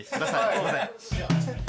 すいません。